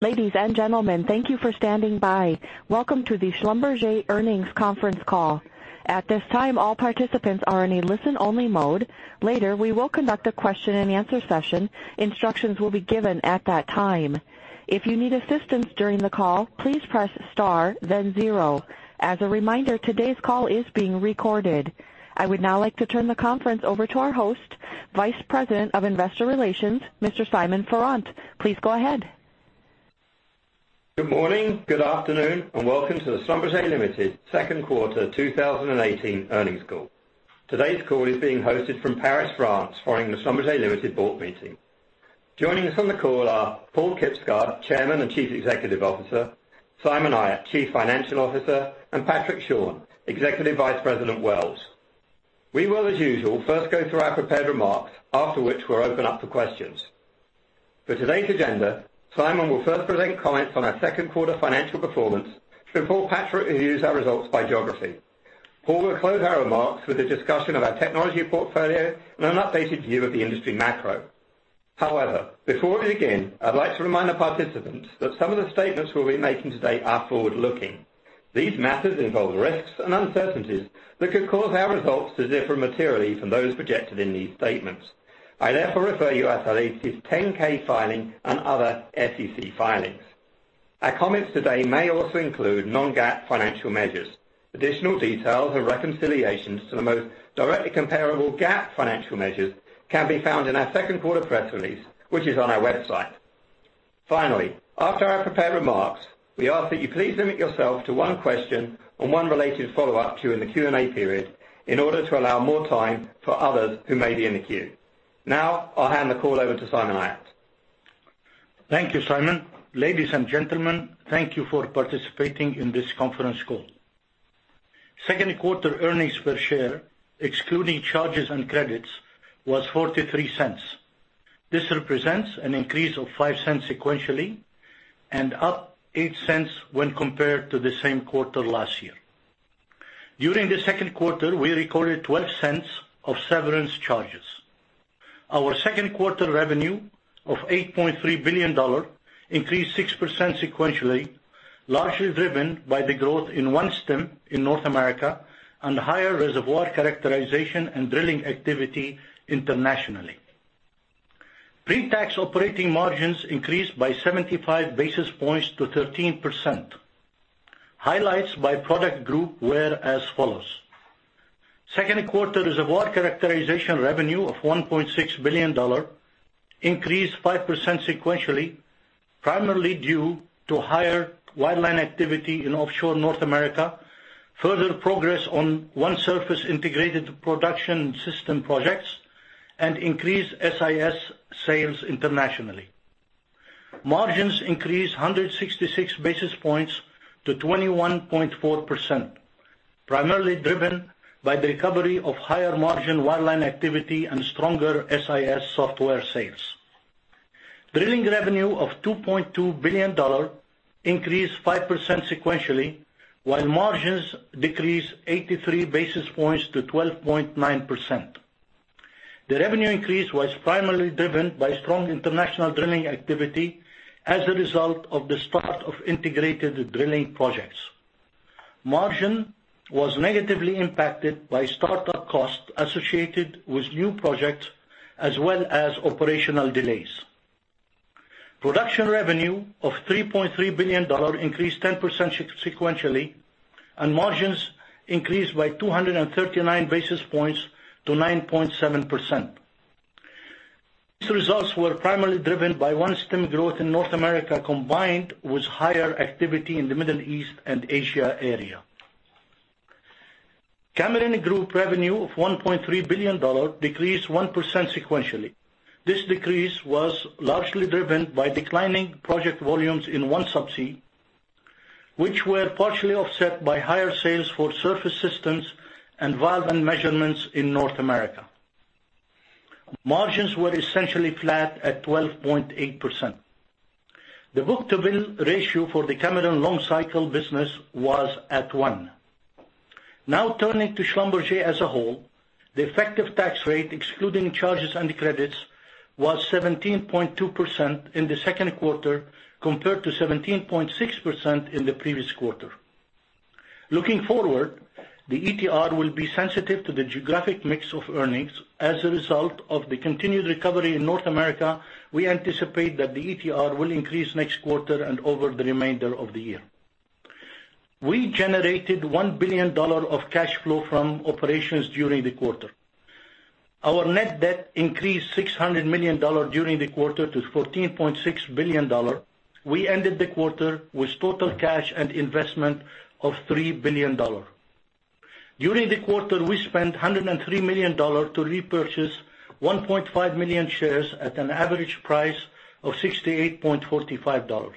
Ladies and gentlemen, thank you for standing by. Welcome to the Schlumberger Earnings Conference Call. At this time, all participants are in a listen-only mode. Later, we will conduct a question and answer session. Instructions will be given at that time. If you need assistance during the call, please press star then zero. As a reminder, today's call is being recorded. I would now like to turn the conference over to our host, Vice President of Investor Relations, Mr. Simon Farrant. Please go ahead. Good morning, good afternoon, and welcome to the Schlumberger Limited Second Quarter 2018 Earnings Call. Today's call is being hosted from Paris, France, following the Schlumberger Limited board meeting. Joining us on the call are Paal Kibsgaard, Chairman and Chief Executive Officer, Simon Ayat, Chief Financial Officer, and Patrick Schorn, Executive Vice President, Wells. We will, as usual, first go through our prepared remarks, after which we'll open up for questions. For today's agenda, Simon will first present comments on our second quarter financial performance before Patrick reviews our results by geography. Paal will close our remarks with a discussion of our technology portfolio and an updated view of the industry macro. Before we begin, I'd like to remind the participants that some of the statements we'll be making today are forward-looking. These matters involve risks and uncertainties that could cause our results to differ materially from those projected in these statements. I therefore refer you to SLB's 10-K filing and other SEC filings. Our comments today may also include non-GAAP financial measures. Additional details and reconciliations to the most directly comparable GAAP financial measures can be found in our second quarter press release, which is on our website. Finally, after our prepared remarks, we ask that you please limit yourself to one question and one related follow-up in the Q&A period in order to allow more time for others who may be in the queue. I'll hand the call over to Simon Ayat. Thank you, Simon. Ladies and gentlemen, thank you for participating in this conference call. Second quarter earnings per share, excluding charges and credits, was $0.43. This represents an increase of $0.05 sequentially and up $0.08 when compared to the same quarter last year. During the second quarter, we recorded $0.12 of severance charges. Our second quarter revenue of $8.3 billion increased 6% sequentially, largely driven by the growth in OneStim in North America and higher reservoir characterization and drilling activity internationally. Pre-tax operating margins increased by 75 basis points to 13%. Highlights by product group were as follows. Second quarter reservoir characterization revenue of $1.6 billion increased 5% sequentially, primarily due to higher wireline activity in offshore North America, further progress on OneSurface integrated production system projects, and increased SIS sales internationally. Margins increased 166 basis points to 21.4%, primarily driven by the recovery of higher margin wireline activity and stronger SIS software sales. Drilling revenue of $2.2 billion increased 5% sequentially, while margins decreased 83 basis points to 12.9%. The revenue increase was primarily driven by strong international drilling activity as a result of the start of integrated drilling projects. Margin was negatively impacted by startup costs associated with new projects as well as operational delays. Production revenue of $3.3 billion increased 10% sequentially, and margins increased by 239 basis points to 9.7%. These results were primarily driven by OneStim growth in North America, combined with higher activity in the Middle East and Asia area. Cameron Group revenue of $1.3 billion decreased 1% sequentially. This decrease was largely driven by declining project volumes in OneSubsea, which were partially offset by higher sales for surface systems and valve and measurement in North America. Margins were essentially flat at 12.8%. The book-to-bill ratio for the Cameron long cycle business was at one. Turning to Schlumberger as a whole, the effective tax rate, excluding charges and credits, was 17.2% in the second quarter, compared to 17.6% in the previous quarter. Looking forward, the ETR will be sensitive to the geographic mix of earnings. As a result of the continued recovery in North America, we anticipate that the ETR will increase next quarter and over the remainder of the year. We generated $1 billion of cash flow from operations during the quarter. Our net debt increased $600 million during the quarter to $14.6 billion. We ended the quarter with total cash and investment of $3 billion. During the quarter, we spent $103 million to repurchase 1.5 million shares at an average price of $68.45.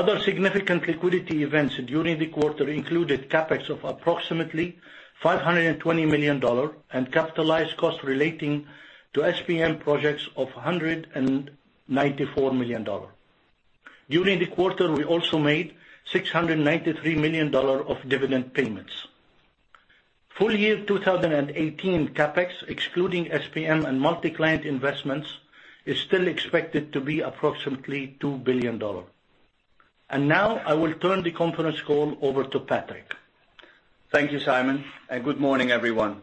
Other significant liquidity events during the quarter included CapEx of approximately $520 million and capitalized cost relating to SPM projects of $194 million. During the quarter, we also made $693 million of dividend payments. Full year 2018 CapEx, excluding SPM and multi-client investments, is still expected to be approximately $2 billion. I will turn the conference call over to Patrick. Thank you, Simon, and good morning, everyone.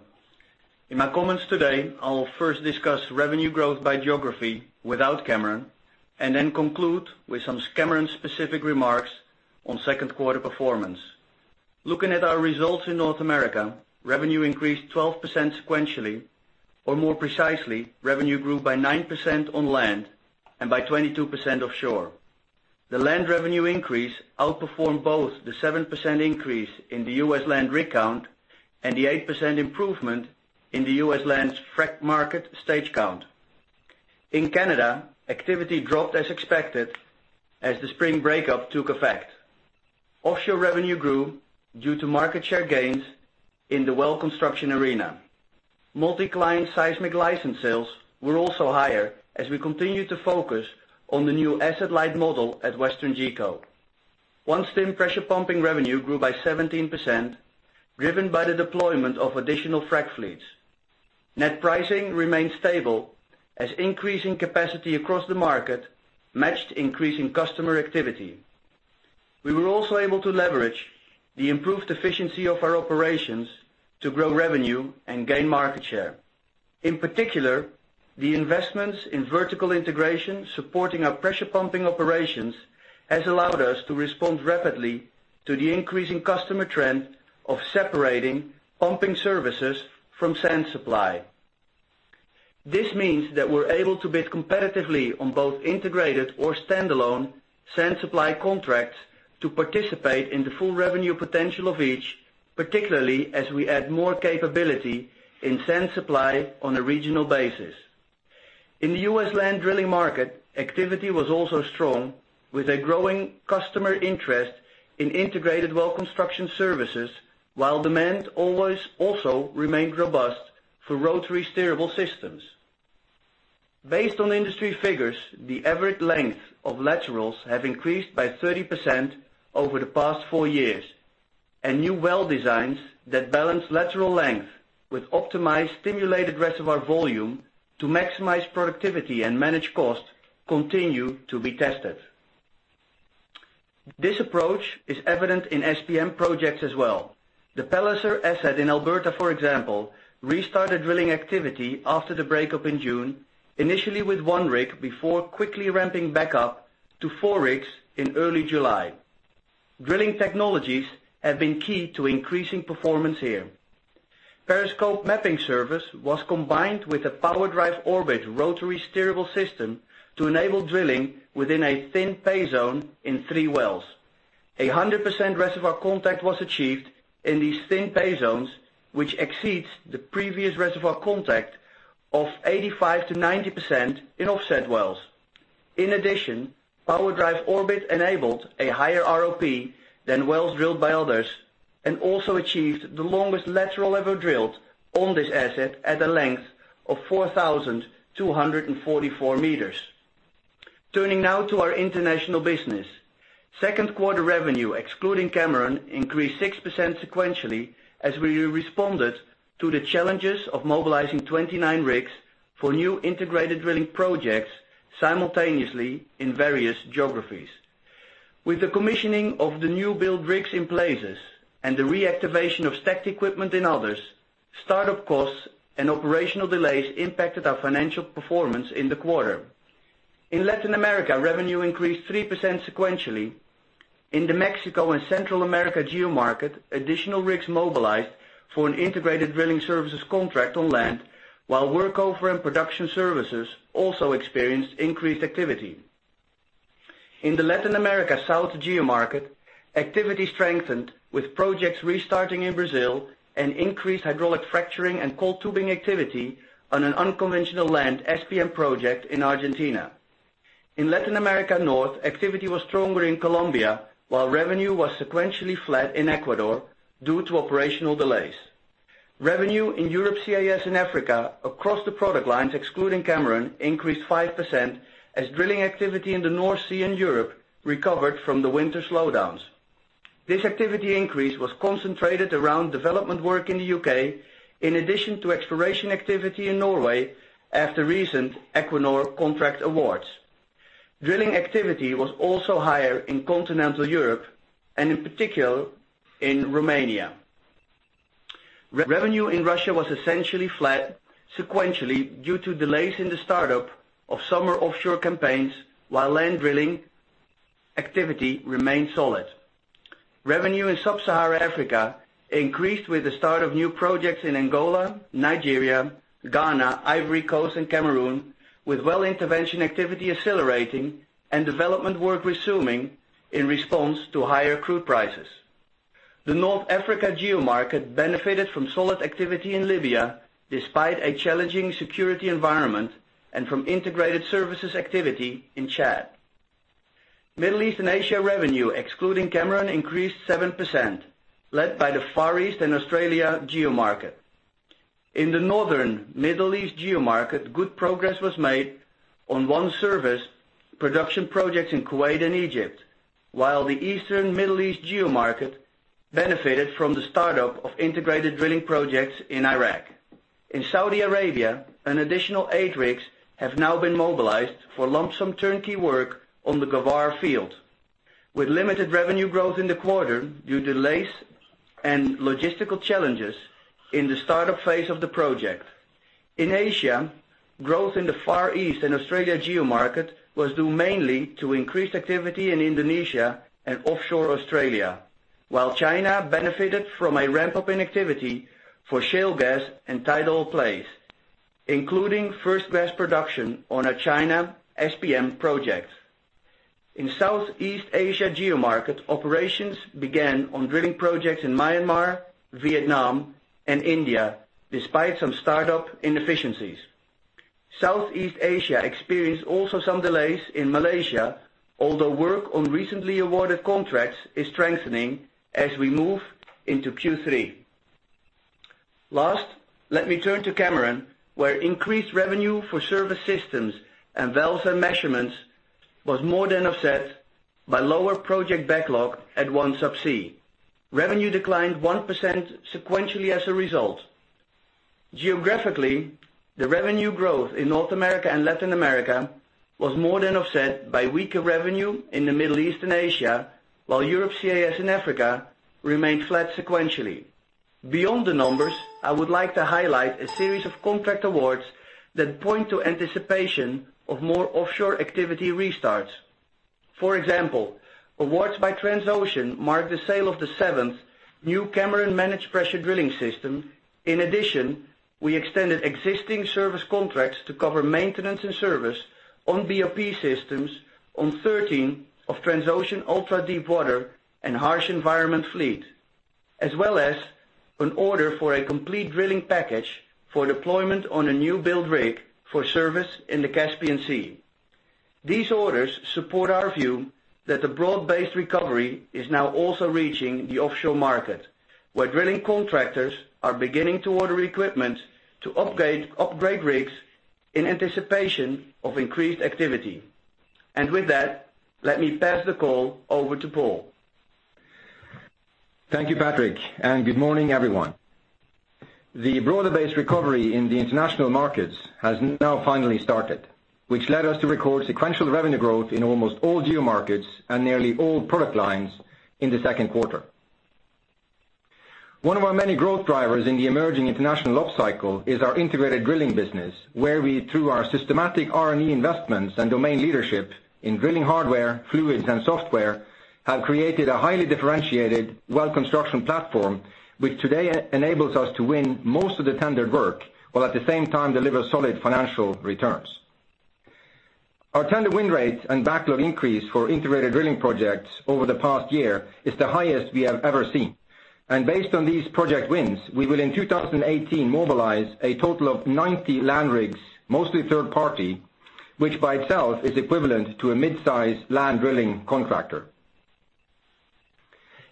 In my comments today, I'll first discuss revenue growth by geography without Cameron, and then conclude with some Cameron-specific remarks on second quarter performance. Looking at our results in North America, revenue increased 12% sequentially, or more precisely, revenue grew by 9% on land and by 22% offshore. The land revenue increase outperformed both the 7% increase in the U.S. land rig count and the 8% improvement in the U.S. land's frack market stage count. In Canada, activity dropped as expected as the spring breakup took effect. Offshore revenue grew due to market share gains in the well construction arena. Multi-client seismic license sales were also higher as we continued to focus on the new asset-light model at WesternGeco. OneStim pressure pumping revenue grew by 17%, driven by the deployment of additional frack fleets. Net pricing remained stable as increasing capacity across the market matched increasing customer activity. We were also able to leverage the improved efficiency of our operations to grow revenue and gain market share. In particular, the investments in vertical integration supporting our pressure pumping operations has allowed us to respond rapidly to the increasing customer trend of separating pumping services from sand supply. This means that we're able to bid competitively on both integrated or standalone sand supply contracts to participate in the full revenue potential of each, particularly as we add more capability in sand supply on a regional basis. In the U.S. land drilling market, activity was also strong, with a growing customer interest in integrated well construction services, while demand also remained robust for rotary steerable systems. Based on industry figures, the average length of laterals have increased by 30% over the past four years, and new well designs that balance lateral length with optimized stimulated reservoir volume to maximize productivity and manage cost continue to be tested. This approach is evident in SPM projects as well. The Palliser asset in Alberta, for example, restarted drilling activity after the breakup in June, initially with one rig before quickly ramping back up to four rigs in early July. Drilling technologies have been key to increasing performance here. PeriScope mapping service was combined with a PowerDrive Orbit rotary steerable system to enable drilling within a thin pay zone in three wells. 100% reservoir contact was achieved in these thin pay zones, which exceeds the previous reservoir contact of 85%-90% in offset wells. In addition, PowerDrive Orbit enabled a higher ROP than wells drilled by others and also achieved the longest lateral ever drilled on this asset at a length of 4,244 meters. Turning now to our international business. Second quarter revenue, excluding Cameron, increased 6% sequentially as we responded to the challenges of mobilizing 29 rigs for new integrated drilling projects simultaneously in various geographies. With the commissioning of the new build rigs in places and the reactivation of stacked equipment in others, startup costs and operational delays impacted our financial performance in the quarter. In Latin America, revenue increased 3% sequentially. In the Mexico and Central America geomarket, additional rigs mobilized for an integrated drilling services contract on land, while workover and production services also experienced increased activity. In the Latin America South geomarket, activity strengthened with projects restarting in Brazil and increased hydraulic fracturing and coiled tubing activity on an unconventional land SPM project in Argentina. In Latin America North, activity was stronger in Colombia, while revenue was sequentially flat in Ecuador due to operational delays. Revenue in Europe, CIS, and Africa across the product lines excluding Cameron increased 5% as drilling activity in the North Sea and Europe recovered from the winter slowdowns. This activity increase was concentrated around development work in the U.K., in addition to exploration activity in Norway after recent Equinor contract awards. Drilling activity was also higher in continental Europe, and in particular in Romania. Revenue in Russia was essentially flat sequentially due to delays in the startup of summer offshore campaigns, while land drilling activity remained solid. Revenue in sub-Sahara Africa increased with the start of new projects in Angola, Nigeria, Ghana, Ivory Coast, and Cameroon, with well intervention activity accelerating and development work resuming in response to higher crude prices. The North Africa geomarket benefited from solid activity in Libya despite a challenging security environment and from integrated services activity in Chad. Middle East and Asia revenue, excluding Cameron, increased 7%, led by the Far East and Australia geomarket. In the Northern Middle East geomarket, good progress was made on OneService production project in Kuwait and Egypt, while the Eastern Middle East geomarket benefited from the startup of integrated drilling projects in Iraq. In Saudi Arabia, an additional eight rigs have now been mobilized for lump sum turnkey work on the Ghawar field, with limited revenue growth in the quarter due to delays and logistical challenges in the startup phase of the project. In Asia, growth in the Far East and Australia geomarket was due mainly to increased activity in Indonesia and offshore Australia, while China benefited from a ramp-up in activity for shale gas and tight oil plays, including first gas production on a China SPM project. In Southeast Asia geomarket, operations began on drilling projects in Myanmar, Vietnam, and India, despite some startup inefficiencies. Southeast Asia experienced also some delays in Malaysia, although work on recently awarded contracts is strengthening as we move into Q3. Last, let me turn to Cameron, where increased revenue for surface systems and valves and measurements was more than offset by lower project backlog at OneSubsea. Revenue declined 1% sequentially as a result. Geographically, the revenue growth in North America and Latin America was more than offset by weaker revenue in the Middle East and Asia, while Europe, CIS, and Africa remained flat sequentially. Beyond the numbers, I would like to highlight a series of contract awards that point to anticipation of more offshore activity restarts. For example, awards by Transocean marked the sale of the seventh new Cameron managed pressure drilling system. In addition, we extended existing service contracts to cover maintenance and service on BOP systems on 13 of Transocean ultra-deepwater and harsh environment fleet, as well as an order for a complete drilling package for deployment on a new build rig for service in the Caspian Sea. These orders support our view that the broad-based recovery is now also reaching the offshore market, where drilling contractors are beginning to order equipment to upgrade rigs in anticipation of increased activity. With that, let me pass the call over to Paal. Thank you, Patrick, good morning, everyone. The broader-based recovery in the international markets has now finally started, which led us to record sequential revenue growth in almost all geomarkets and nearly all product lines in the second quarter. One of our many growth drivers in the emerging international upcycle is our integrated drilling business, where we, through our systematic R&E investments and domain leadership in drilling hardware, fluids, and software, have created a highly differentiated well construction platform, which today enables us to win most of the tendered work, while at the same time deliver solid financial returns. Our tender win rates and backlog increase for integrated drilling projects over the past year is the highest we have ever seen. Based on these project wins, we will in 2018 mobilize a total of 90 land rigs, mostly third party, which by itself is equivalent to a mid-size land drilling contractor.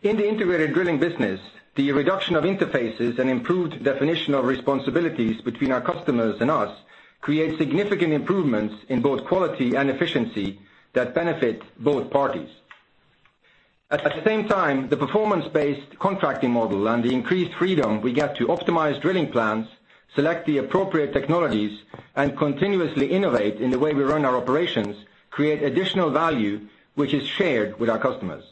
In the integrated drilling business, the reduction of interfaces and improved definition of responsibilities between our customers and us create significant improvements in both quality and efficiency that benefit both parties. At the same time, the performance-based contracting model and the increased freedom we get to optimize drilling plans, select the appropriate technologies, and continuously innovate in the way we run our operations, create additional value, which is shared with our customers.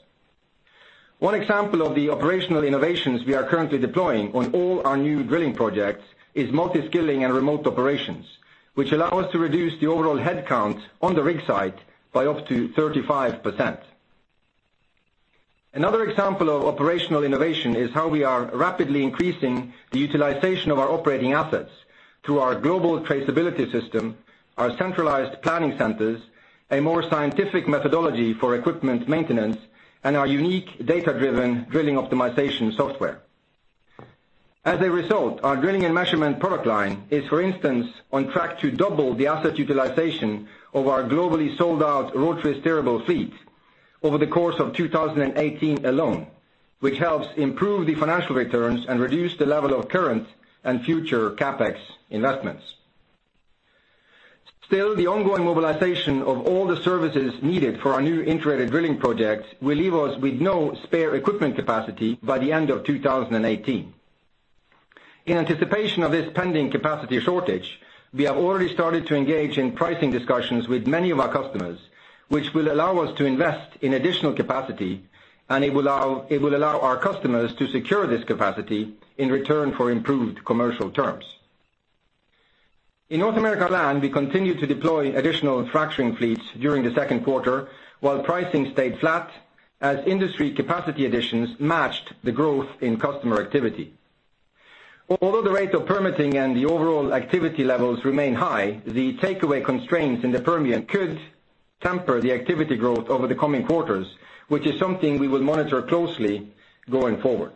One example of the operational innovations we are currently deploying on all our new drilling projects is multi-skilling and remote operations, which allow us to reduce the overall headcount on the rig site by up to 35%. Another example of operational innovation is how we are rapidly increasing the utilization of our operating assets through our global traceability system, our centralized planning centers, a more scientific methodology for equipment maintenance, and our unique data-driven drilling optimization software. As a result, our Drilling & Measurements product line is, for instance, on track to double the asset utilization of our globally sold-out rotary steerable fleet over the course of 2018 alone, which helps improve the financial returns and reduce the level of current and future CapEx investments. The ongoing mobilization of all the services needed for our new integrated drilling projects will leave us with no spare equipment capacity by the end of 2018. In anticipation of this pending capacity shortage, we have already started to engage in pricing discussions with many of our customers, which will allow us to invest in additional capacity, and it will allow our customers to secure this capacity in return for improved commercial terms. In North America Land, we continued to deploy additional fracturing fleets during the second quarter while pricing stayed flat as industry capacity additions matched the growth in customer activity. Although the rate of permitting and the overall activity levels remain high, the takeaway constraints in the Permian could temper the activity growth over the coming quarters, which is something we will monitor closely going forward.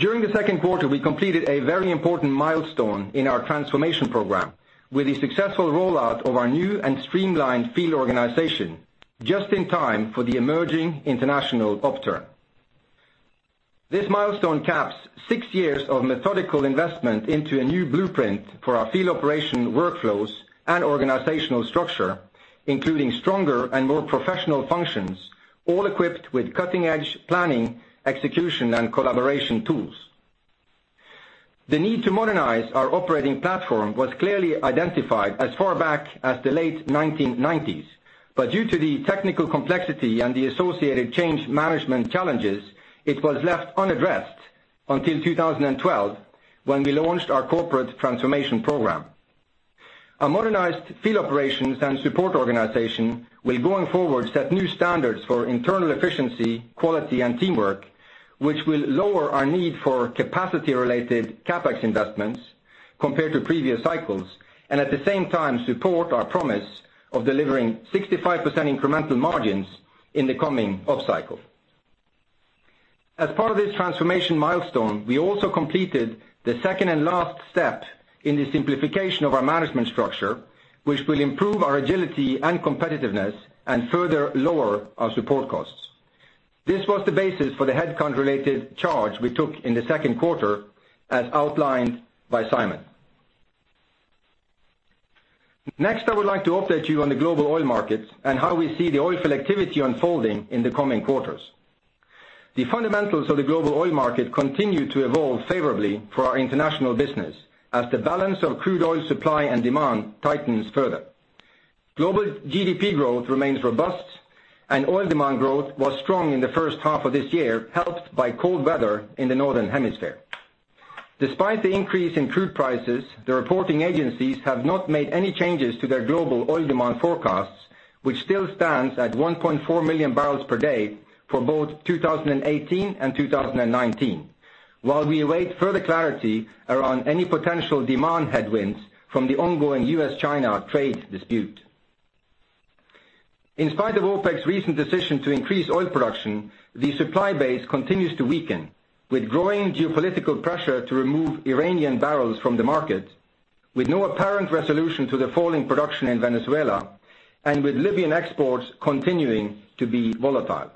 During the second quarter, we completed a very important milestone in our transformation program with the successful rollout of our new and streamlined field organization just in time for the emerging international upturn. This milestone caps six years of methodical investment into a new blueprint for our field operation workflows and organizational structure, including stronger and more professional functions, all equipped with cutting-edge planning, execution, and collaboration tools. The need to modernize our operating platform was clearly identified as far back as the late 1990s, but due to the technical complexity and the associated change management challenges, it was left unaddressed until 2012, when we launched our corporate transformation program. A modernized field operations and support organization will, going forward, set new standards for internal efficiency, quality, and teamwork, which will lower our need for capacity-related CapEx investments compared to previous cycles, and at the same time support our promise of delivering 65% incremental margins in the coming upcycle. As part of this transformation milestone, we also completed the second and last step in the simplification of our management structure, which will improve our agility and competitiveness and further lower our support costs. This was the basis for the headcount-related charge we took in the second quarter, as outlined by Simon. Next, I would like to update you on the global oil markets and how we see the oil field activity unfolding in the coming quarters. The fundamentals of the global oil market continue to evolve favorably for our international business, as the balance of crude oil supply and demand tightens further. Global GDP growth remains robust, and oil demand growth was strong in the first half of this year, helped by cold weather in the northern hemisphere. Despite the increase in crude prices, the reporting agencies have not made any changes to their global oil demand forecasts, which still stands at 1.4 million barrels per day for both 2018 and 2019. While we await further clarity around any potential demand headwinds from the ongoing U.S.-China trade dispute. In spite of OPEC's recent decision to increase oil production, the supply base continues to weaken, with growing geopolitical pressure to remove Iranian barrels from the market, with no apparent resolution to the falling production in Venezuela, and with Libyan exports continuing to be volatile.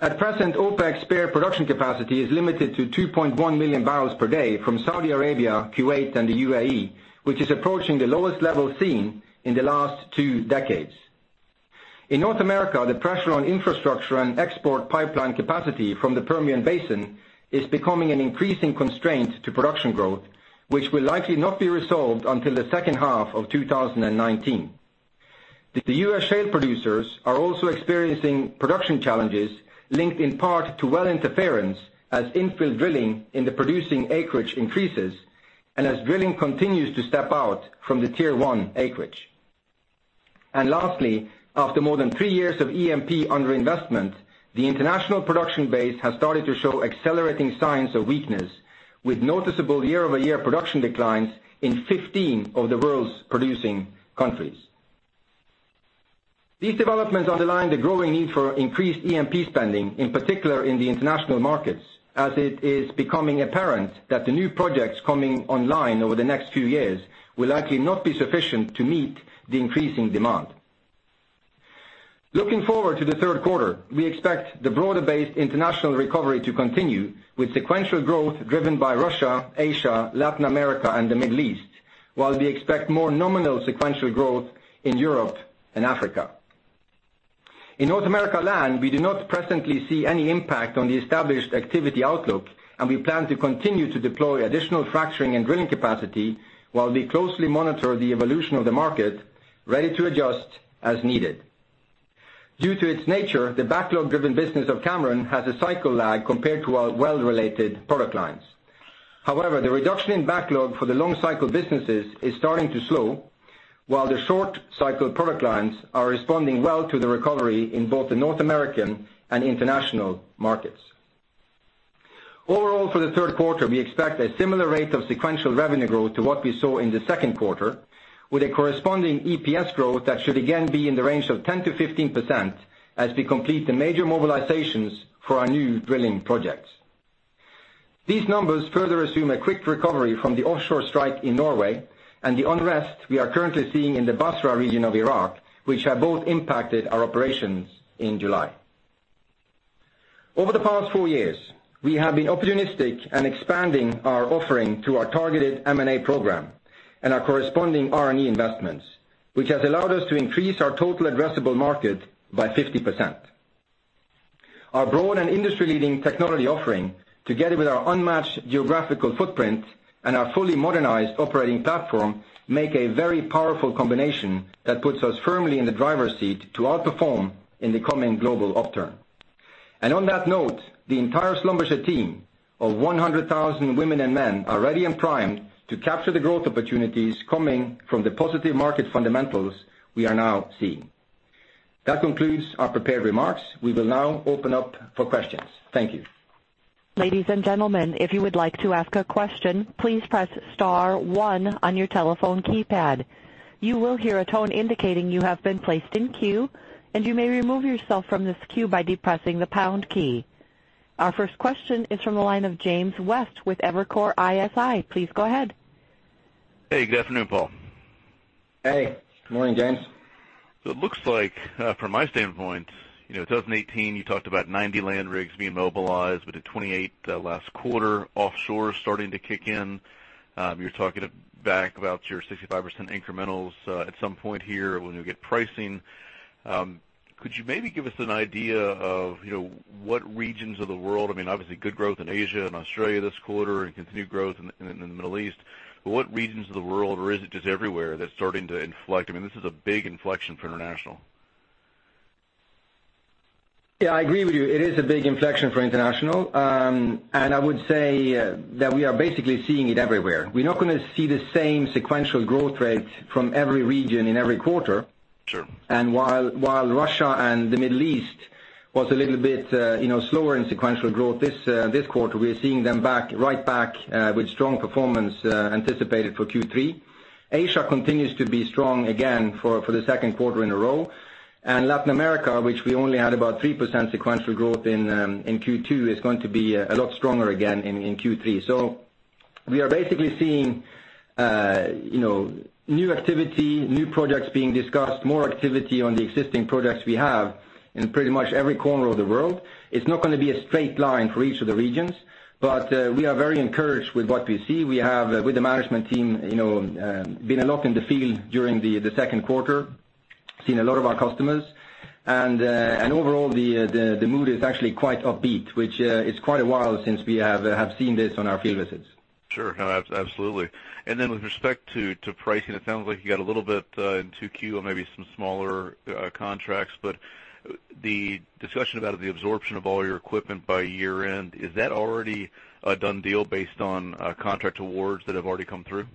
At present, OPEC's spare production capacity is limited to 2.1 million barrels per day from Saudi Arabia, Kuwait, and the UAE, which is approaching the lowest level seen in the last two decades. In North America, the pressure on infrastructure and export pipeline capacity from the Permian Basin is becoming an increasing constraint to production growth, which will likely not be resolved until the second half of 2019. The U.S. shale producers are also experiencing production challenges linked in part to well interference as infill drilling in the producing acreage increases, and as drilling continues to step out from the Tier 1 acreage. Lastly, after more than three years of E&P underinvestment, the international production base has started to show accelerating signs of weakness, with noticeable year-over-year production declines in 15 of the world's producing countries. These developments underline the growing need for increased E&P spending, in particular in the international markets, as it is becoming apparent that the new projects coming online over the next few years will likely not be sufficient to meet the increasing demand. Looking forward to the third quarter, we expect the broader-based international recovery to continue, with sequential growth driven by Russia, Asia, Latin America, and the Middle East, while we expect more nominal sequential growth in Europe and Africa. In North America land, we do not presently see any impact on the established activity outlook, and we plan to continue to deploy additional fracturing and drilling capacity while we closely monitor the evolution of the market, ready to adjust as needed. Due to its nature, the backlog-driven business of Cameron has a cycle lag compared to our well-related product lines. However, the reduction in backlog for the long cycle businesses is starting to slow, while the short cycle product lines are responding well to the recovery in both the North American and international markets. Overall, for the third quarter, we expect a similar rate of sequential revenue growth to what we saw in the second quarter, with a corresponding EPS growth that should again be in the range of 10%-15% as we complete the major mobilizations for our new drilling projects. These numbers further assume a quick recovery from the offshore strike in Norway and the unrest we are currently seeing in the Basra region of Iraq, which have both impacted our operations in July. Over the past four years, we have been opportunistic and expanding our offering through our targeted M&A program and our corresponding R&E investments, which has allowed us to increase our total addressable market by 50%. Our broad and industry-leading technology offering, together with our unmatched geographical footprint and our fully modernized operating platform, make a very powerful combination that puts us firmly in the driver's seat to outperform in the coming global upturn. On that note, the entire Schlumberger team of 100,000 women and men are ready and primed to capture the growth opportunities coming from the positive market fundamentals we are now seeing. That concludes our prepared remarks. We will now open up for questions. Thank you. Ladies and gentlemen, if you would like to ask a question, please press star one on your telephone keypad. You will hear a tone indicating you have been placed in queue, and you may remove yourself from this queue by depressing the pound key. Our first question is from the line of James West with Evercore ISI. Please go ahead. Hey, good afternoon, Paal. Hey, good morning, James. It looks like from my standpoint, 2018, you talked about 90 land rigs being mobilized. We did 28 last quarter, offshore starting to kick in. You were talking back about your 65% incrementals at some point here when we get pricing. Could you maybe give us an idea of what regions of the world, obviously good growth in Asia and Australia this quarter and continued growth in the Middle East, but what regions of the world, or is it just everywhere that's starting to inflect? This is a big inflection for international. Yeah, I agree with you. It is a big inflection for international. I would say that we are basically seeing it everywhere. We're not going to see the same sequential growth rate from every region in every quarter. Sure. While Russia and the Middle East was a little bit slower in sequential growth this quarter, we are seeing them right back with strong performance anticipated for Q3. Asia continues to be strong again for the second quarter in a row. Latin America, which we only had about 3% sequential growth in Q2, is going to be a lot stronger again in Q3. We are basically seeing new activity, new projects being discussed, more activity on the existing projects we have in pretty much every corner of the world. It's not going to be a straight line for each of the regions, but we are very encouraged with what we see. We have, with the management team, been a lot in the field during the second quarter, seen a lot of our customers. Overall, the mood is actually quite upbeat, which it's quite a while since we have seen this on our field visits. Sure. No, absolutely. Then with respect to pricing, it sounds like you got a little bit in 2Q on maybe some smaller contracts, but the discussion about the absorption of all your equipment by year-end, is that already a done deal based on contract awards that have already come through?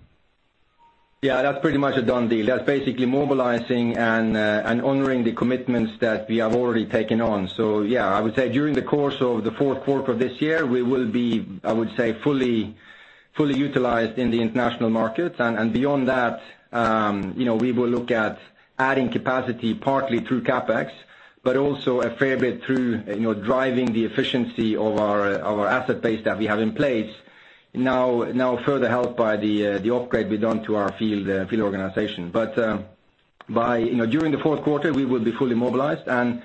Yeah, that's pretty much a done deal. That's basically mobilizing and honoring the commitments that we have already taken on. Yeah, I would say during the course of the fourth quarter of this year, we will be, I would say, fully utilized in the international markets. Beyond that we will look at adding capacity partly through CapEx, but also a fair bit through driving the efficiency of our asset base that we have in place, now further helped by the upgrade we've done to our field organization. During the fourth quarter, we will be fully mobilized, and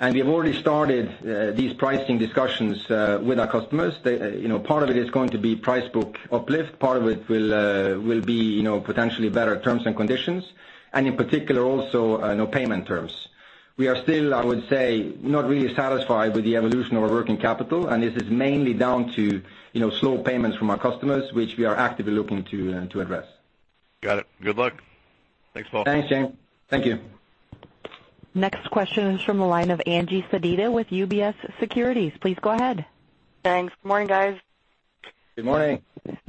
we have already started these pricing discussions with our customers. Part of it is going to be price book uplift, part of it will be potentially better terms and conditions, and in particular, also payment terms. We are still, I would say, not really satisfied with the evolution of our working capital. This is mainly down to slow payments from our customers, which we are actively looking to address. Got it. Good luck. Thanks, Paal. Thanks, James. Thank you. Next question is from the line of Angie Sedita with UBS Securities. Please go ahead. Thanks. Morning, guys. Good morning.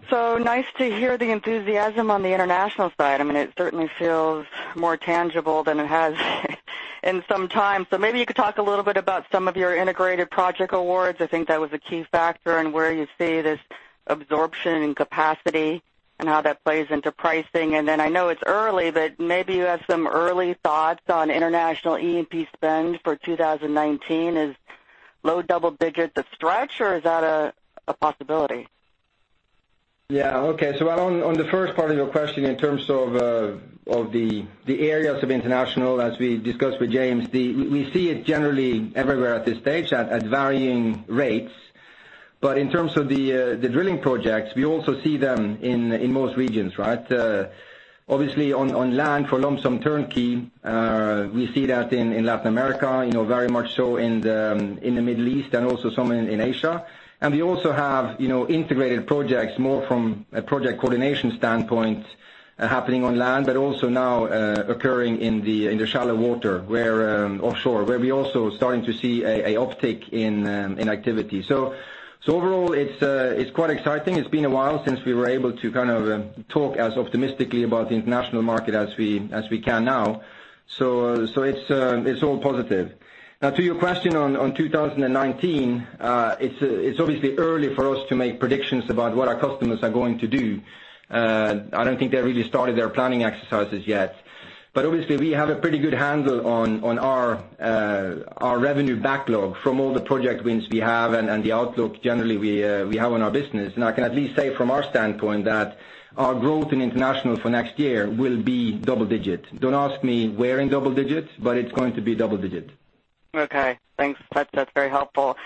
Nice to hear the enthusiasm on the international side. It certainly feels more tangible than it has in some time. Maybe you could talk a little bit about some of your integrated project awards. I think that was a key factor in where you see this absorption and capacity and how that plays into pricing. I know it's early, but maybe you have some early thoughts on international E&P spend for 2019. Is low double digits a stretch, or is that a possibility? Yeah. Okay. On the first part of your question in terms of the areas of international, as we discussed with James, we see it generally everywhere at this stage at varying rates. In terms of the drilling projects, we also see them in most regions. Obviously, on land for lump sum turnkey, we see that in Latin America, very much so in the Middle East and also some in Asia. We also have integrated projects more from a project coordination standpoint happening on land, but also now occurring in the shallow water offshore, where we're also starting to see an uptick in activity. Overall, it's quite exciting. It's been a while since we were able to talk as optimistically about the international market as we can now. It's all positive. Now to your question on 2019, it's obviously early for us to make predictions about what our customers are going to do. I don't think they really started their planning exercises yet. Obviously, we have a pretty good handle on our revenue backlog from all the project wins we have and the outlook generally we have on our business. I can at least say from our standpoint that our growth in international for next year will be double digit. Don't ask me where in double digits, but it's going to be double digit. Okay, thanks. That's very helpful.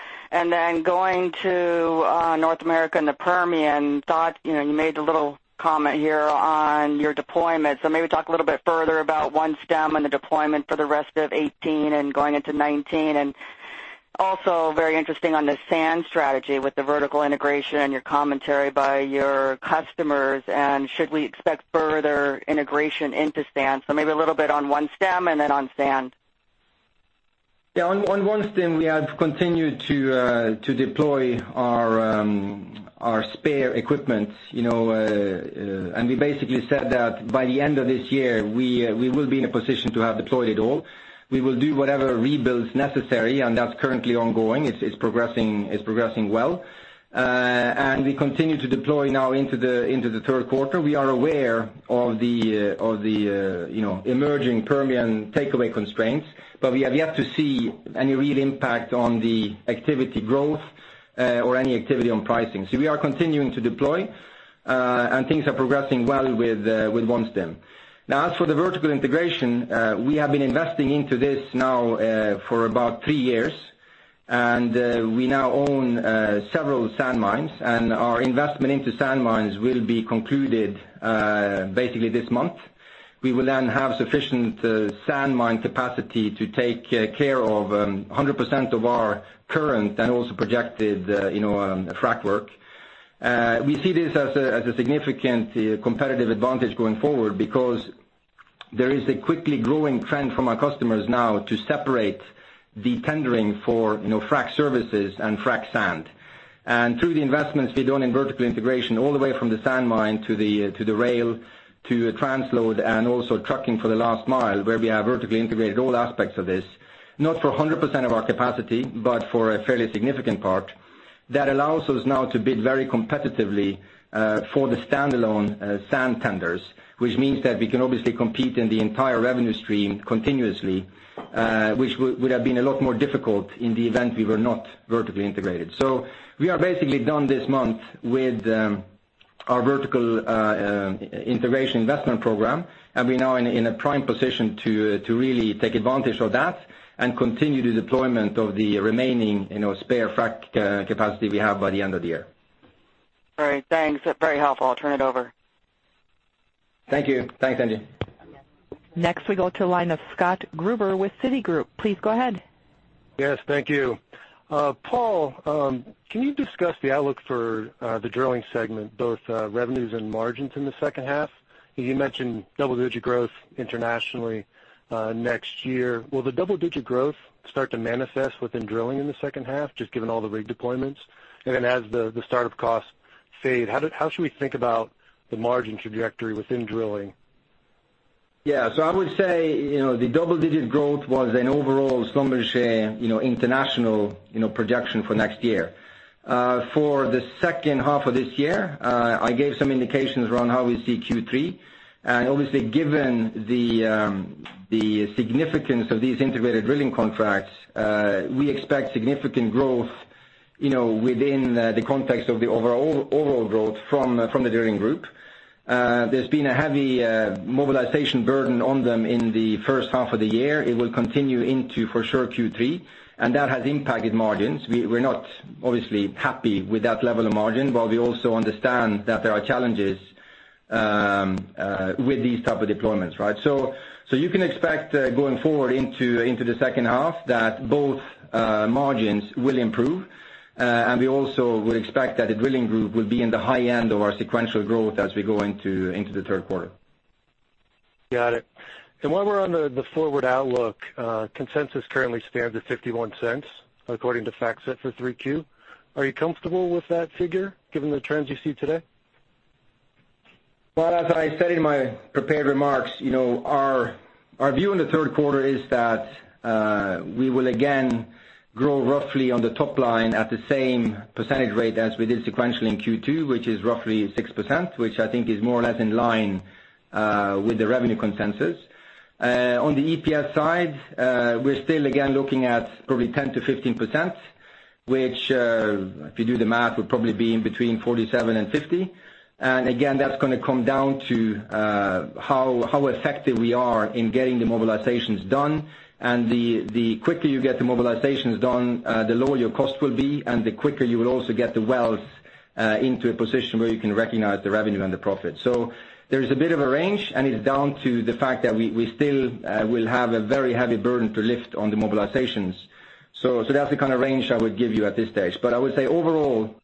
Going to North America and the Permian, I thought you made a little comment here on your deployment. Maybe talk a little bit further about OneStim and the deployment for the rest of 2018 and going into 2019. Also very interesting on the sand strategy with the vertical integration and your commentary by your customers. Should we expect further integration into sand? Maybe a little bit on OneStim and then on sand. Yeah. On OneStim, we have continued to deploy our spare equipment. We basically said that by the end of this year, we will be in a position to have deployed it all. We will do whatever rebuild is necessary, and that's currently ongoing. It's progressing well. We continue to deploy now into the third quarter. We are aware of the emerging Permian takeaway constraints. We have yet to see any real impact on the activity growth or any activity on pricing. We are continuing to deploy, and things are progressing well with OneStim. As for the vertical integration, we have been investing into this now for about 3 years, and we now own several sand mines. Our investment into sand mines will be concluded basically this month. We will have sufficient sand mine capacity to take care of 100% of our current and also projected frac work. We see this as a significant competitive advantage going forward because there is a quickly growing trend from our customers now to separate the tendering for frac services and frac sand. Through the investments we've done in vertical integration, all the way from the sand mine to the rail, to transload, and also trucking for the last mile, where we have vertically integrated all aspects of this, not for 100% of our capacity, but for a fairly significant part. That allows us now to bid very competitively for the standalone sand tenders, which means that we can obviously compete in the entire revenue stream continuously, which would have been a lot more difficult in the event we were not vertically integrated. We are basically done this month with our vertical integration investment program, and we're now in a prime position to really take advantage of that and continue the deployment of the remaining spare frac capacity we have by the end of the year. All right. Thanks. Very helpful. I'll turn it over. Thank you. Thanks, Angie. Next we go to line of Scott Gruber with Citigroup. Please go ahead. Yes, thank you. Paal, can you discuss the outlook for the drilling segment, both revenues and margins in the second half? You mentioned double-digit growth internationally next year. Will the double-digit growth start to manifest within drilling in the second half, just given all the rig deployments? Then as the startup costs fade, how should we think about the margin trajectory within drilling? Yeah. I would say, the double-digit growth was an overall Schlumberger international projection for next year. For the second half of this year, I gave some indications around how we see Q3. Obviously given the significance of these integrated drilling contracts, we expect significant growth within the context of the overall growth from the drilling group. There's been a heavy mobilization burden on them in the first half of the year. It will continue into, for sure, Q3, and that has impacted margins. We're not obviously happy with that level of margin, but we also understand that there are challenges with these type of deployments, right? You can expect going forward into the second half that both margins will improve. We also would expect that the drilling group will be in the high end of our sequential growth as we go into the third quarter. Got it. While we're on the forward outlook, consensus currently stands at $0.51 according to FactSet for 3Q. Are you comfortable with that figure given the trends you see today? Well, as I said in my prepared remarks, our view in the third quarter is that we will again grow roughly on the top line at the same percentage rate as we did sequential in Q2, which is roughly 6%, which I think is more or less in line with the revenue consensus. On the EPS side, we're still again looking at probably 10%-15%, which, if you do the math, would probably be in between $0.47 and $0.50. Again, that's going to come down to how effective we are in getting the mobilizations done. The quicker you get the mobilizations done, the lower your cost will be and the quicker you will also get the wells into a position where you can recognize the revenue and the profit. There's a bit of a range, and it's down to the fact that we still will have a very heavy burden to lift on the mobilizations. That's the kind of range I would give you at this stage. I would say overall,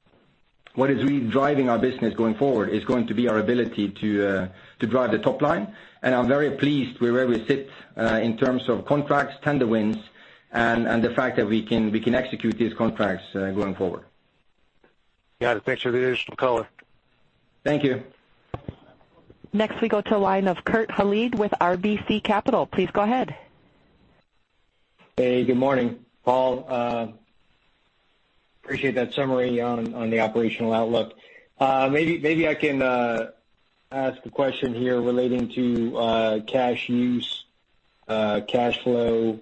what is really driving our business going forward is going to be our ability to drive the top line. I'm very pleased with where we sit in terms of contracts, tender wins, and the fact that we can execute these contracts going forward. Got it. Thanks for the additional color. Thank you. Next we go to line of Kurt Yinger with RBC Capital. Please go ahead. Hey, good morning, Paal. Appreciate that summary on the operational outlook. Maybe I can ask a question here relating to cash use, cash flow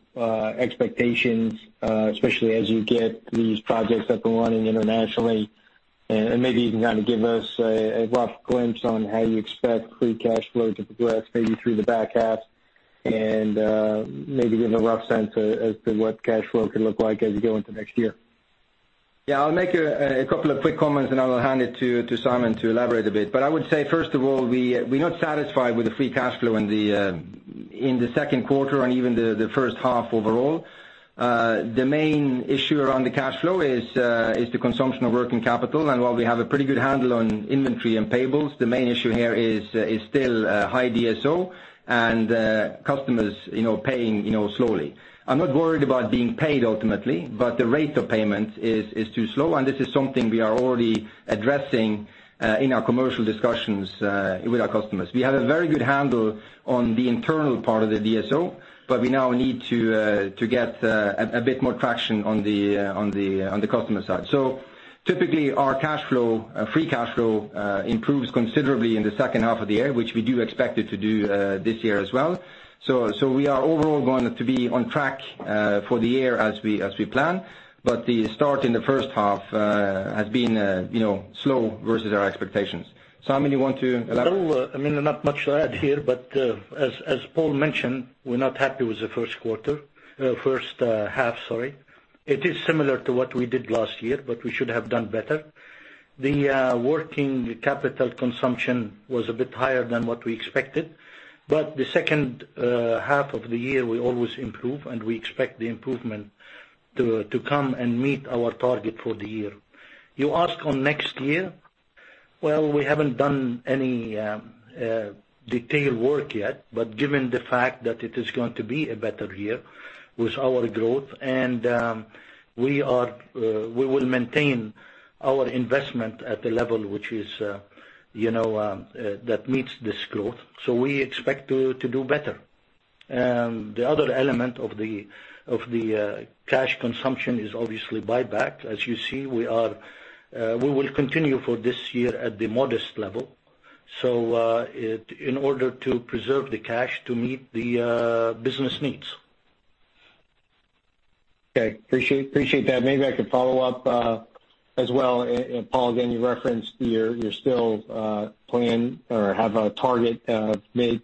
expectations, especially as you get these projects up and running internationally. Maybe you can kind of give us a rough glimpse on how you expect free cash flow to progress maybe through the back half and maybe give a rough sense as to what cash flow could look like as we go into next year. Yeah. I will make a couple of quick comments, and I will hand it to Simon to elaborate a bit. I would say, first of all, we're not satisfied with the free cash flow in the second quarter and even the first half overall. The main issue around the cash flow is the consumption of working capital. While we have a pretty good handle on inventory and payables, the main issue here is still high DSO and customers paying slowly. I'm not worried about being paid ultimately, but the rate of payment is too slow, and this is something we are already addressing in our commercial discussions with our customers. We have a very good handle on the internal part of the DSO, but we now need to get a bit more traction on the customer side. Typically, our free cash flow improves considerably in the second half of the year, which we do expect it to do this year as well. We are overall going to be on track for the year as we plan. The start in the first half has been slow versus our expectations. Simon, you want to elaborate? No, not much to add here. As Paal mentioned, we're not happy with the first half. It is similar to what we did last year, but we should have done better. The working capital consumption was a bit higher than what we expected. The second half of the year, we always improve, and we expect the improvement to come and meet our target for the year. You ask on next year, well, we haven't done any detailed work yet, given the fact that it is going to be a better year with our growth, and we will maintain our investment at a level that meets this growth. We expect to do better. The other element of the cash consumption is obviously buyback. As you see, we will continue for this year at the modest level, in order to preserve the cash to meet the business needs. Okay. Appreciate that. Maybe I could follow up as well. Paal, again, you referenced you still have a target made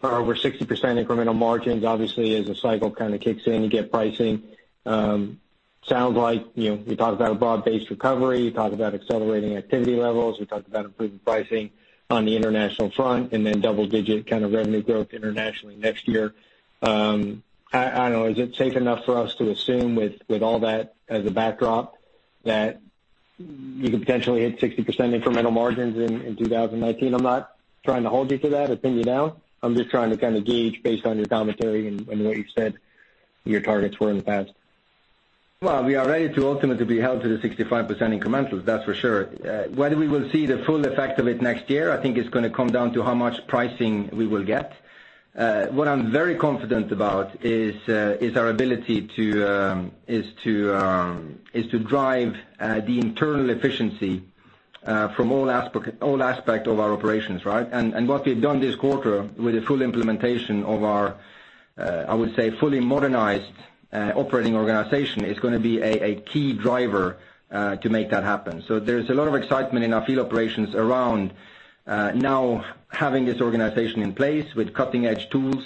for over 60% incremental margins. Obviously, as the cycle kind of kicks in, you get pricing. Sounds like we talked about a broad-based recovery, we talked about accelerating activity levels, we talked about improving pricing on the international front, and then double-digit kind of revenue growth internationally next year. I don't know. Is it safe enough for us to assume with all that as a backdrop, that you could potentially hit 60% incremental margins in 2019? I'm not trying to hold you to that or pin you down. I'm just trying to kind of gauge based on your commentary and what you said your targets were in the past. Well, we are ready to ultimately be held to the 65% incrementals, that's for sure. Whether we will see the full effect of it next year, I think it's going to come down to how much pricing we will get. What I'm very confident about is our ability to drive the internal efficiency from all aspect of our operations, right? What we've done this quarter with the full implementation of our, I would say, fully modernized operating organization, is going to be a key driver to make that happen. There's a lot of excitement in our field operations around now having this organization in place with cutting-edge tools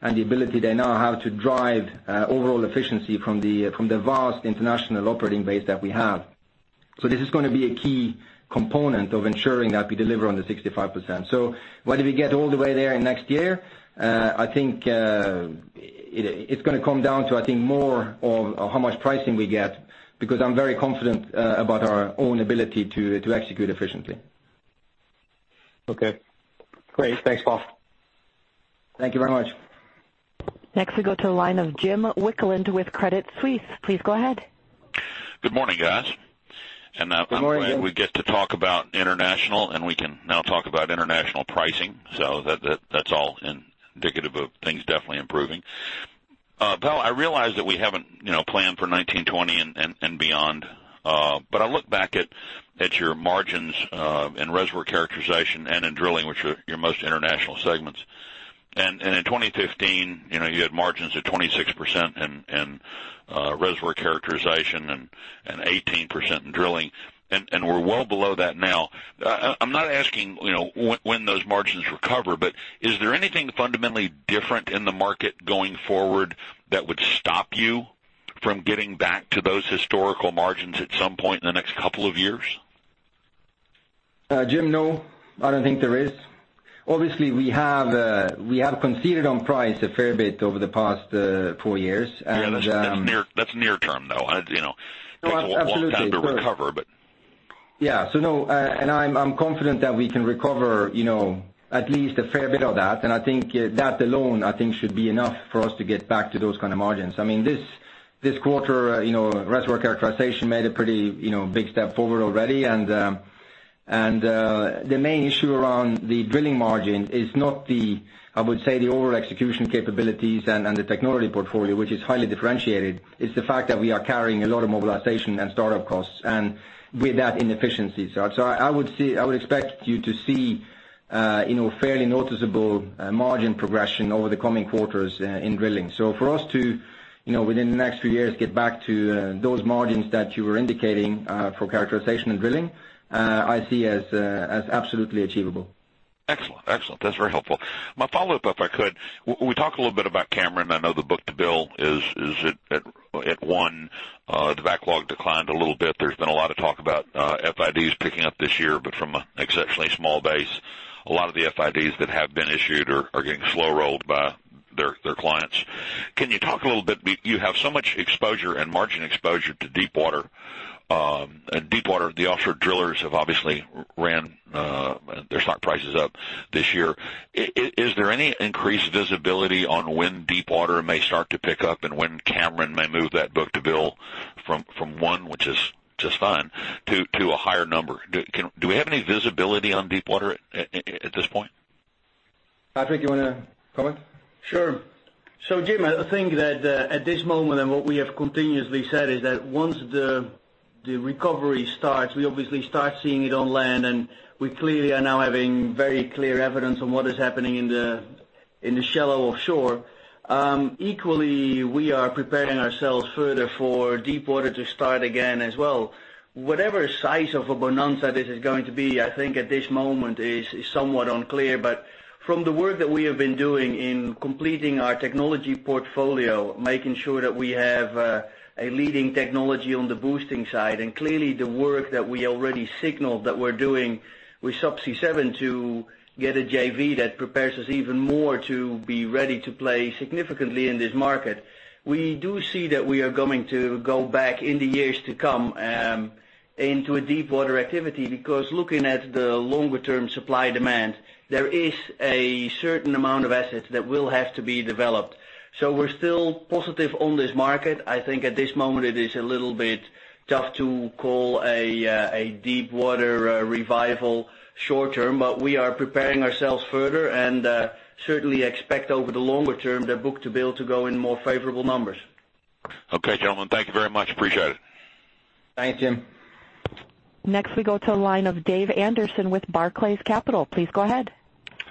and the ability they now have to drive overall efficiency from the vast international operating base that we have. This is going to be a key component of ensuring that we deliver on the 65%. Whether we get all the way there in next year, I think it's going to come down to more of how much pricing we get, because I'm very confident about our own ability to execute efficiently. Okay, great. Thanks, Paal. Thank you very much. We go to the line of Jim Wicklund with Credit Suisse. Please go ahead. Good morning, guys. Good morning, Jim. I'm glad we get to talk about international, and we can now talk about international pricing. That's all indicative of things definitely improving. Paal, I realize that we haven't planned for 2019, 2020, and beyond. I look back at your margins in reservoir characterization and in drilling, which are your most international segments. In 2015, you had margins of 26% in reservoir characterization and 18% in drilling. We're well below that now. I'm not asking when those margins recover, but is there anything fundamentally different in the market going forward that would stop you from getting back to those historical margins at some point in the next couple of years? Jim, no, I don't think there is. Obviously, we have conceded on price a fair bit over the past four years, and Yeah, that's near-term, though. No, absolutely. It takes a long time to recover. No, I'm confident that we can recover at least a fair bit of that. I think that alone, I think should be enough for us to get back to those kind of margins. This quarter, Reservoir Characterization made a pretty big step forward already. The main issue around the drilling margin is not the, I would say, the over-execution capabilities and the technology portfolio, which is highly differentiated. It's the fact that we are carrying a lot of mobilization and start-up costs, and with that, inefficiencies. I would expect you to see fairly noticeable margin progression over the coming quarters in drilling. For us to, within the next few years, get back to those margins that you were indicating for Characterization and drilling, I see as absolutely achievable. Excellent. That's very helpful. My follow-up, if I could. We talked a little bit about Cameron. I know the book-to-bill is at one. The backlog declined a little bit. There's been a lot of talk about FIDs picking up this year, from an exceptionally small base. A lot of the FIDs that have been issued are getting slow-rolled by their clients. Can you talk a little bit, you have so much exposure and margin exposure to deep water. Deep water, the offshore drillers have obviously ran their stock prices up this year. Is there any increased visibility on when deep water may start to pick up and when Cameron may move that book-to-bill from one, which is fine, to a higher number? Do we have any visibility on deep water at this point? Patrick, you want to comment? Sure. Jim, I think that at this moment, what we have continuously said is that once the recovery starts, we obviously start seeing it on land, we clearly are now having very clear evidence on what is happening in the shallow offshore. Equally, we are preparing ourselves further for deep water to start again as well. Whatever size of a bonanza this is going to be, I think at this moment it is somewhat unclear. From the work that we have been doing in completing our technology portfolio, making sure that we have a leading technology on the boosting side, clearly the work that we already signaled that we're doing with Subsea 7 to get a JV that prepares us even more to be ready to play significantly in this market. We do see that we are going to go back in the years to come, into a deep water activity, because looking at the longer-term supply demand, there is a certain amount of assets that will have to be developed. We're still positive on this market. I think at this moment it is a little bit tough to call a deep water revival short-term, we are preparing ourselves further and, certainly expect over the longer term, the book-to-bill to go in more favorable numbers. Okay, gentlemen. Thank you very much. Appreciate it. Thanks, Jim. Next we go to the line of David Anderson with Barclays Capital. Please go ahead.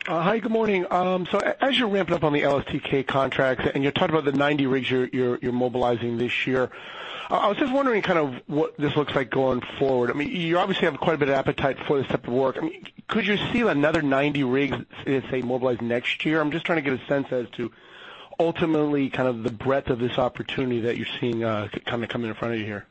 Hi, good morning. As you're ramping up on the LSTK contracts and you're talking about the 90 rigs you're mobilizing this year, I was just wondering what this looks like going forward. You obviously have quite a bit of appetite for this type of work. Could you see another 90 rigs, say, mobilized next year? I'm just trying to get a sense as to ultimately the breadth of this opportunity that you're seeing coming in front of you here.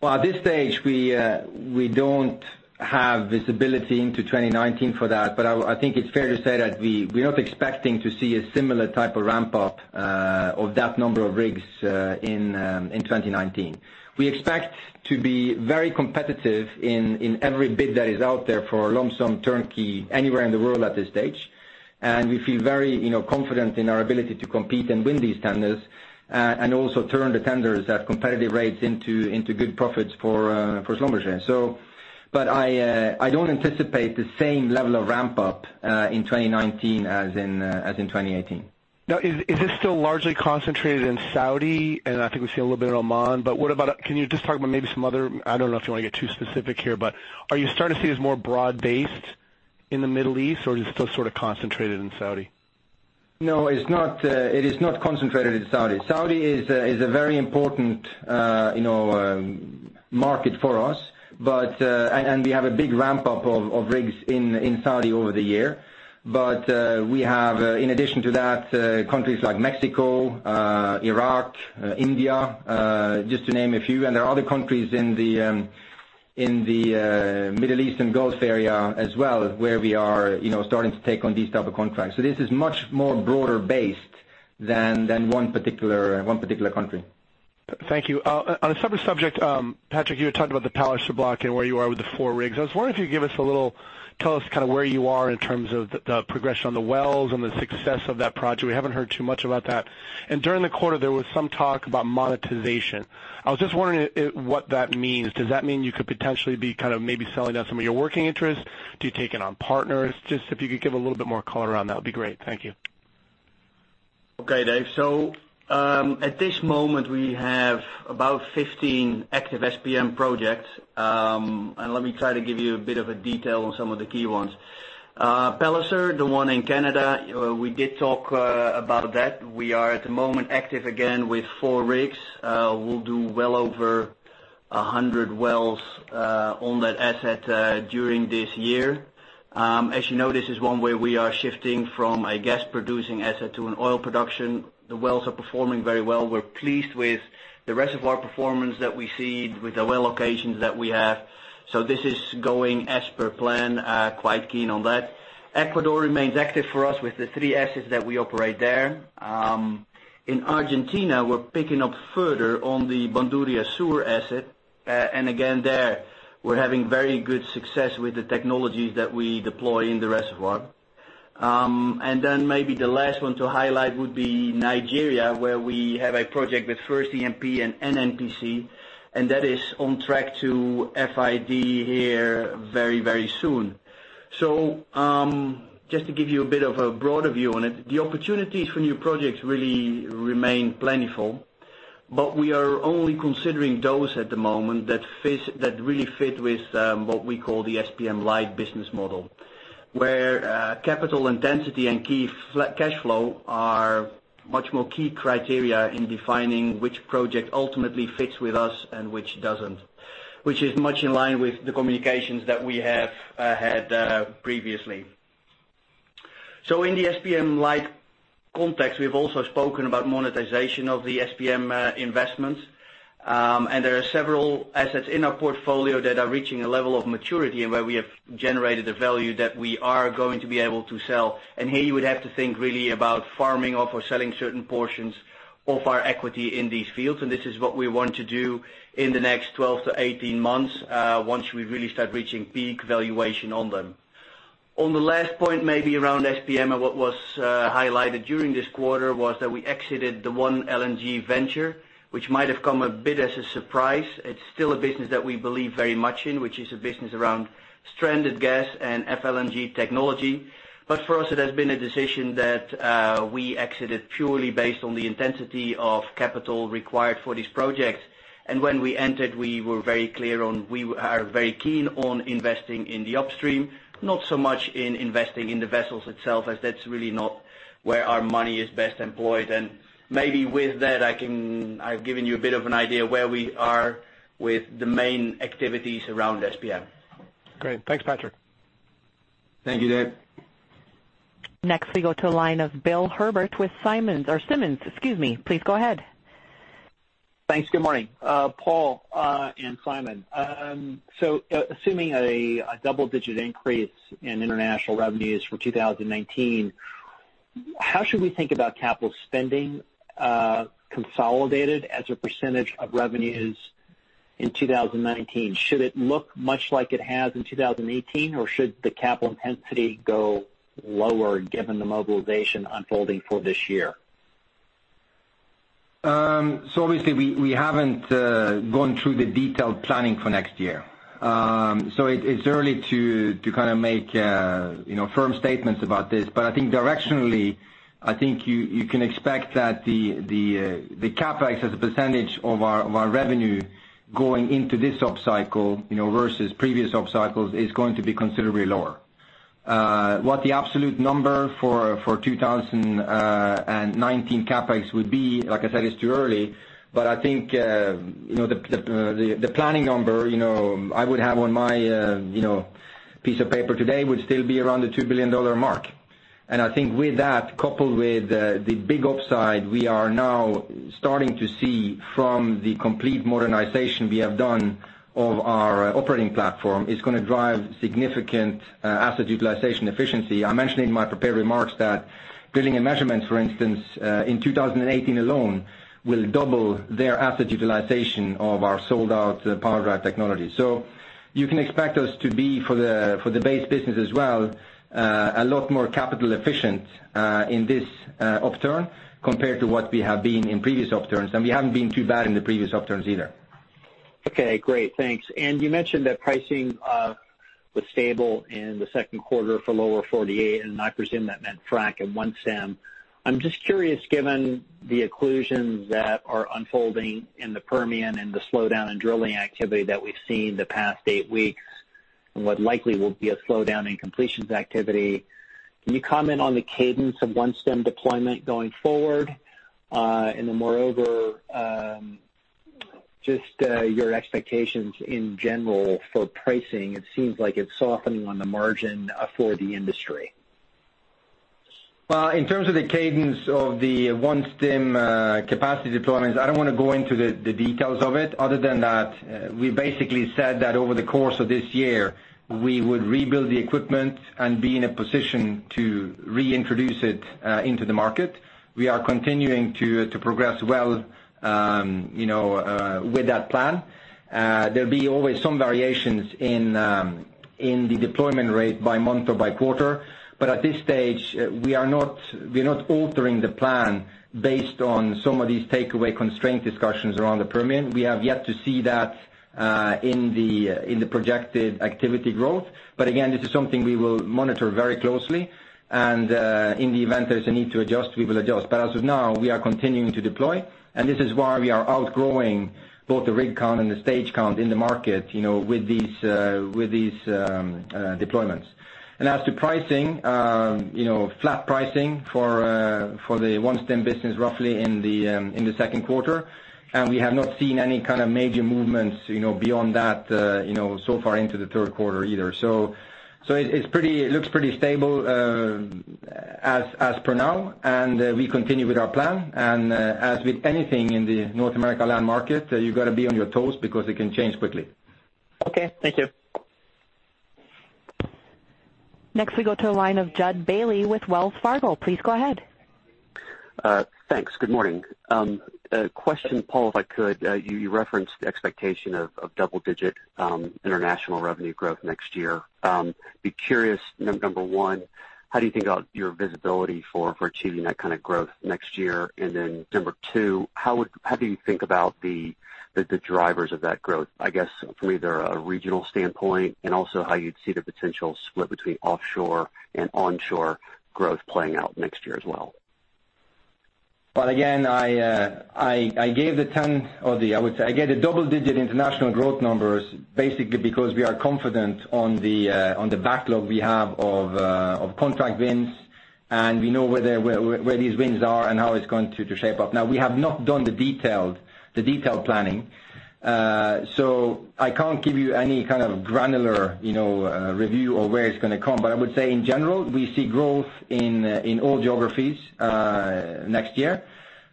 Well, at this stage, we don't have visibility into 2019 for that. I think it's fair to say that we are not expecting to see a similar type of ramp-up of that number of rigs in 2019. We expect to be very competitive in every bid that is out there for a lump sum turnkey anywhere in the world at this stage. We feel very confident in our ability to compete and win these tenders, and also turn the tenders at competitive rates into good profits for Schlumberger. I don't anticipate the same level of ramp-up in 2019 as in 2018. Is this still largely concentrated in Saudi? I think we see a little bit in Oman. Can you just talk about maybe some other, I don't know if you want to get too specific here, are you starting to see this more broad-based in the Middle East, or is it still sort of concentrated in Saudi? It is not concentrated in Saudi. Saudi is a very important market for us. We have a big ramp-up of rigs in Saudi over the year. We have, in addition to that, countries like Mexico, Iraq, India, just to name a few. There are other countries in the Middle East and Gulf area as well, where we are starting to take on these type of contracts. This is much more broader based than one particular country. Thank you. On a separate subject, Patrick, you had talked about the Palliser block and where you are with the four rigs. I was wondering if you could tell us where you are in terms of the progression on the wells and the success of that project. We haven't heard too much about that. During the quarter, there was some talk about monetization. I was just wondering what that means. Does that mean you could potentially be maybe selling out some of your working interests? Do you take it on partners? Just if you could give a little bit more color around that would be great. Thank you. Okay, Dave. At this moment, we have about 15 active SPM projects. Let me try to give you a bit of a detail on some of the key ones. Palliser, the one in Canada, we did talk about that. We are at the moment active again with four rigs. We'll do well over 100 wells on that asset during this year. As you know, this is one where we are shifting from a gas-producing asset to an oil production. The wells are performing very well. We're pleased with the reservoir performance that we see with the well locations that we have. This is going as per plan, quite keen on that. Ecuador remains active for us with the three assets that we operate there. In Argentina, we're picking up further on the Bandurria Sur asset. Again, there, we're having very good success with the technologies that we deploy in the reservoir. Maybe the last one to highlight would be Nigeria, where we have a project with FIRST E&P and NNPC, and that is on track to FID here very soon. Just to give you a bit of a broader view on it, the opportunities for new projects really remain plentiful, but we are only considering those at the moment that really fit with what we call the SPM light business model, where capital intensity and key cash flow are much more key criteria in defining which project ultimately fits with us and which doesn't, which is much in line with the communications that we have had previously. In the SPM light context, we've also spoken about monetization of the SPM investments. There are several assets in our portfolio that are reaching a level of maturity and where we have generated a value that we are going to be able to sell. Here you would have to think really about farming off or selling certain portions of our equity in these fields, and this is what we want to do in the next 12 to 18 months, once we really start reaching peak valuation on them. On the last point, maybe around SPM and what was highlighted during this quarter was that we exited the one LNG venture, which might have come a bit as a surprise. It's still a business that we believe very much in, which is a business around stranded gas and FLNG technology. For us, it has been a decision that we exited purely based on the intensity of capital required for this project. When we entered, we were very keen on investing in the upstream, not so much in investing in the vessels itself, as that's really not where our money is best employed. Maybe with that, I've given you a bit of an idea where we are with the main activities around SPM. Great. Thanks, Patrick. Thank you, Dave. Next, we go to the line of Bill Herbert with Simmons, excuse me. Please go ahead. Thanks. Good morning, Paal and Simon. Assuming a double-digit increase in international revenues for 2019, how should we think about capital spending consolidated as a percentage of revenues in 2019? Should it look much like it has in 2018, or should the capital intensity go lower given the mobilization unfolding for this year? Obviously we haven't gone through the detailed planning for next year. It's early to kind of make firm statements about this. I think directionally, I think you can expect that the CapEx as a percentage of our revenue going into this upcycle versus previous upcycles is going to be considerably lower. What the absolute number for 2019 CapEx would be, like I said, it's too early, but I think the planning number I would have on my piece of paper today would still be around the $2 billion mark. I think with that, coupled with the big upside we are now starting to see from the complete modernization we have done of our operating platform, is going to drive significant asset utilization efficiency. I mentioned in my prepared remarks that Drilling & Measurements, for instance, in 2018 alone will double their asset utilization of our sold-out PowerDrive technology. You can expect us to be, for the base business as well, a lot more capital efficient in this upturn compared to what we have been in previous upturns. We haven't been too bad in the previous upturns either. Okay, great. Thanks. You mentioned that pricing was stable in the second quarter for Lower 48, and I presume that meant frac and OneStim. I'm just curious, given the takeaway constraints that are unfolding in the Permian and the slowdown in drilling activity that we've seen in the past eight weeks, and what likely will be a slowdown in completions activity, can you comment on the cadence of OneStim deployment going forward? Moreover, just your expectations in general for pricing. It seems like it's softening on the margin for the industry. In terms of the cadence of the OneStim capacity deployments, I don't want to go into the details of it other than that we basically said that over the course of this year, we would rebuild the equipment and be in a position to reintroduce it into the market. We are continuing to progress well with that plan. There'll be always some variations in the deployment rate by month or by quarter. At this stage, we are not altering the plan based on some of these takeaway constraint discussions around the Permian. We have yet to see that in the projected activity growth. Again, this is something we will monitor very closely. In the event there's a need to adjust, we will adjust. As of now, we are continuing to deploy, and this is why we are outgrowing both the rig count and the stage count in the market with these deployments. As to pricing, flat pricing for the OneStim business roughly in the second quarter. We have not seen any kind of major movements beyond that so far into the third quarter either. It looks pretty stable as per now, and we continue with our plan. As with anything in the North America land market, you got to be on your toes because it can change quickly. Okay. Thank you. Next, we go to the line of Jud Bailey with Wells Fargo. Please go ahead. Thanks. Good morning. A question, Paal, if I could. You referenced expectation of double-digit international revenue growth next year. Be curious, number 1, how do you think about your visibility for achieving that kind of growth next year? And then number 2, how do you think about the drivers of that growth? I guess from either a regional standpoint and also how you'd see the potential split between offshore and onshore growth playing out next year as well. Well, again, I gave the 10, or I would say I gave the double-digit international growth numbers, basically because we are confident on the backlog we have of contract wins, and we know where these wins are and how it's going to shape up. We have not done the detailed planning, so I can't give you any kind of granular review of where it's going to come. I would say in general, we see growth in all geographies next year.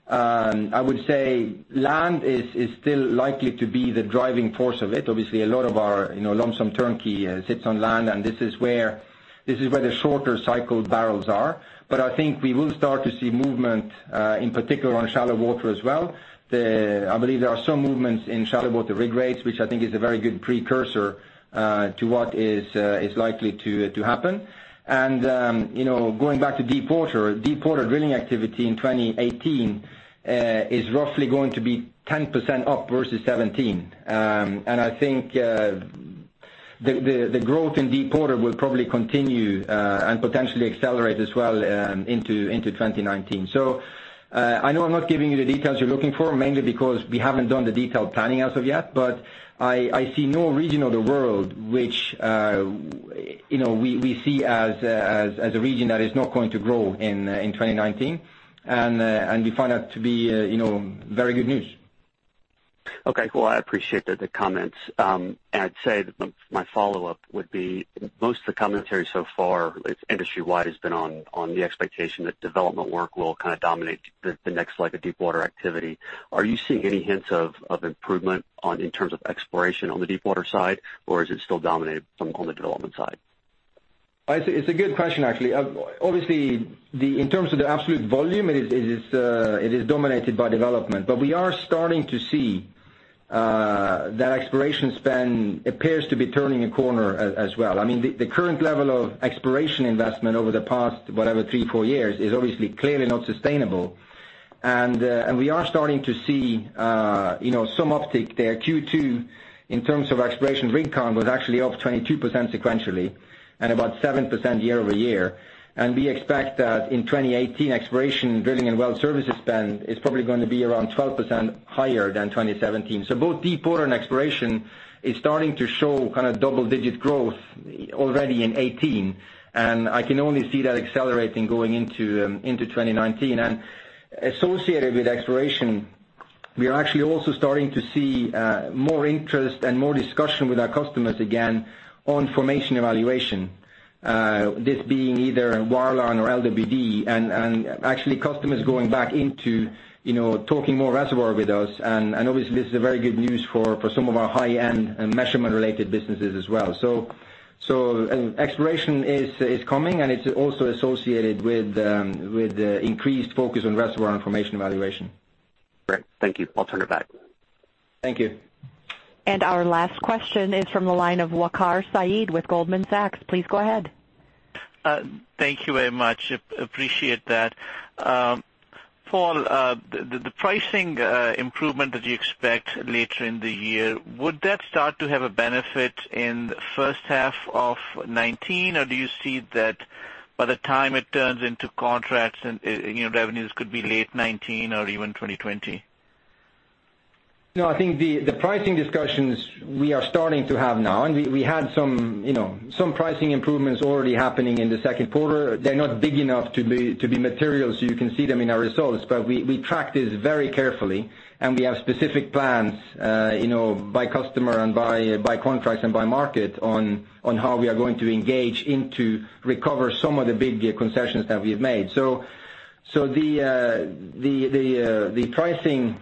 I would say land is still likely to be the driving force of it. Obviously, a lot of our lump sum turnkey sits on land, and this is where the shorter cycle barrels are. I think we will start to see movement, in particular on shallow water as well. I believe there are some movements in shallow water rig rates, which I think is a very good precursor to what is likely to happen. Going back to deepwater drilling activity in 2018 is roughly going to be 10% up versus 2017. The growth in deepwater will probably continue, and potentially accelerate as well into 2019. I know I'm not giving you the details you're looking for, mainly because we haven't done the detailed planning as of yet, but I see no region of the world which we see as a region that is not going to grow in 2019, and we find that to be very good news. Okay. Well, I appreciate the comments. I'd say my follow-up would be, most of the commentary so far, industry-wide, has been on the expectation that development work will dominate the next leg of deepwater activity. Are you seeing any hints of improvement in terms of exploration on the deepwater side, or is it still dominated on the development side? It's a good question, actually. Obviously, in terms of the absolute volume, it is dominated by development. We are starting to see that exploration spend appears to be turning a corner as well. I mean, the current level of exploration investment over the past, whatever, three, four years is obviously clearly not sustainable. We are starting to see some uptick there. Q2, in terms of exploration rig count, was actually up 22% sequentially, and about 7% year-over-year. We expect that in 2018, exploration, drilling and well services spend is probably going to be around 12% higher than 2017. Both deepwater and exploration is starting to show double-digit growth already in 2018, and I can only see that accelerating going into 2019. Associated with exploration, we are actually also starting to see more interest and more discussion with our customers again on formation evaluation, this being either wireline or LWD, and actually customers going back into talking more reservoir with us. Obviously, this is a very good news for some of our high-end measurement-related businesses as well. Exploration is coming, and it's also associated with increased focus on reservoir and formation evaluation. Great. Thank you. I'll turn it back. Thank you. Our last question is from the line of Waqar Syed with Goldman Sachs. Please go ahead. Thank you very much. Appreciate that. Paal, the pricing improvement that you expect later in the year, would that start to have a benefit in the first half of 2019, or do you see that by the time it turns into contracts and revenues could be late 2019 or even 2020? I think the pricing discussions we are starting to have now, we had some pricing improvements already happening in the second quarter. They're not big enough to be material, so you can see them in our results. We track this very carefully, and we have specific plans by customer and by contracts and by market on how we are going to engage in to recover some of the big concessions that we've made. The pricing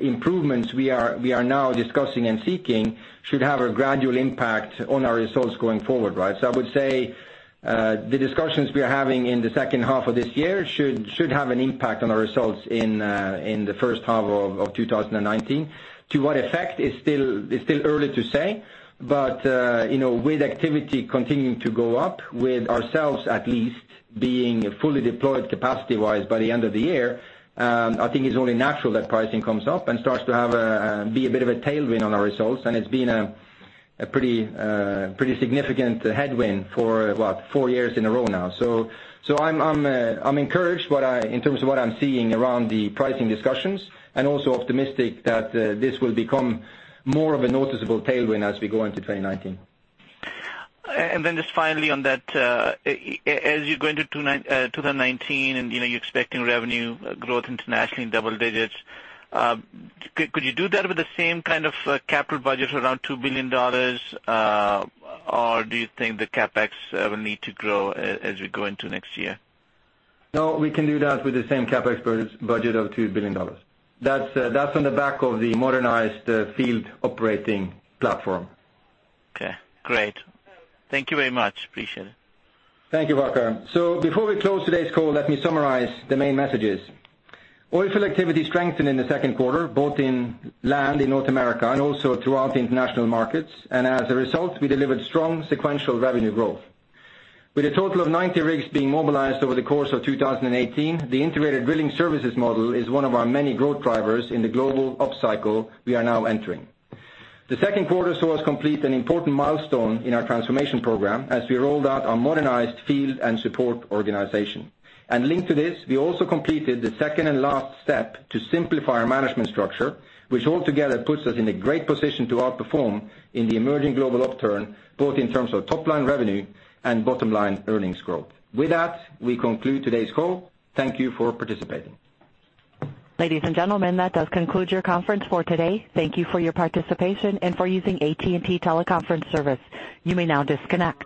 improvements we are now discussing and seeking should have a gradual impact on our results going forward, right? I would say the discussions we are having in the second half of this year should have an impact on our results in the first half of 2019. To what effect, it's still early to say. With activity continuing to go up, with ourselves at least being fully deployed capacity-wise by the end of the year, I think it's only natural that pricing comes up and starts to be a bit of a tailwind on our results, it's been a pretty significant headwind for, what, four years in a row now. I'm encouraged in terms of what I'm seeing around the pricing discussions, also optimistic that this will become more of a noticeable tailwind as we go into 2019. just finally on that, as you go into 2019 and you're expecting revenue growth internationally in double digits, could you do that with the same kind of capital budget around $2 billion, or do you think the CapEx will need to grow as we go into next year? No, we can do that with the same CapEx budget of $2 billion. That's on the back of the modernized field operating platform. Okay, great. Thank you very much. Appreciate it. Thank you, Waqar. Before we close today's call, let me summarize the main messages. Oil field activity strengthened in the second quarter, both in land in North America and also throughout the international markets. As a result, we delivered strong sequential revenue growth. With a total of 90 rigs being mobilized over the course of 2018, the integrated drilling services model is one of our many growth drivers in the global upcycle we are now entering. The second quarter saw us complete an important milestone in our transformation program as we rolled out our modernized field and support organization. Linked to this, we also completed the second and last step to simplify our management structure, which altogether puts us in a great position to outperform in the emerging global upturn, both in terms of top-line revenue and bottom-line earnings growth. With that, we conclude today's call. Thank you for participating. Ladies and gentlemen, that does conclude your conference for today. Thank you for your participation and for using AT&T Teleconference Service. You may now disconnect.